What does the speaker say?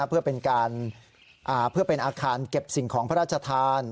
เพื่อเป็นอาคารเก็บสิ่งของพระราชธาน